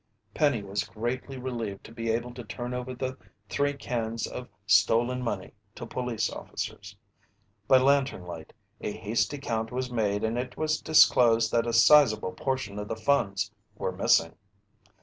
Penny was greatly relieved to be able to turn over the three cans of stolen money to police officers. By lantern light a hasty count was made and it was disclosed that a sizeable portion of the funds were missing.